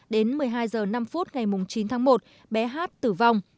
đến một mươi hai h năm ngày chín tháng một bé hát tử vong